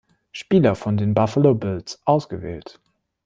Spieler von den Buffalo Bills ausgewählt.